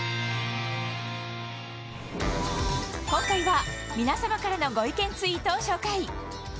今回は、皆様からのご意見ツイートを紹介